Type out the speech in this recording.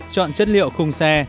một chọn chất liệu khung xe